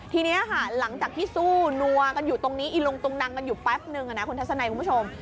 ทีนี้ค่ะหลังจากที่สู้นัวกันอยู่ตรงนี้อีลุงตุงนังกันอยู่แป๊บนึงนะคุณทัศนัยคุณผู้ชม